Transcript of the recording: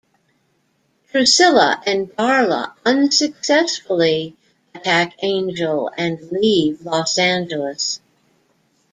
Drusilla and Darla unsuccessfully attack Angel and leave Los Angeles.